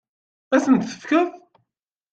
Ad asent-ten-tefkeḍ?